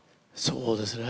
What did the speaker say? そうですね